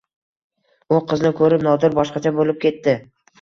U qizni ko‘rib Nodir boshqacha bo‘lib ketdi.